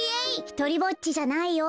・ひとりぼっちじゃないよ。